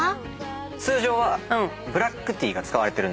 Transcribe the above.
通常はブラックティーが使われてる。